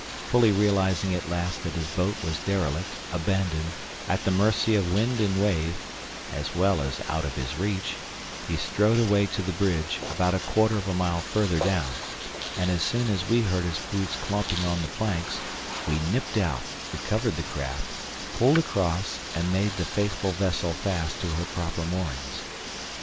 Fully realising at last that his boat was derelict, abandoned, at the mercy of wind and wave, as well as out of his reach, he strode away to the bridge, about a quarter of a mile further down; and as soon as we heard his boots clumping on the planks, we nipped out, recovered the craft, pulled across, and made the faithful vessel fast to her proper moorings.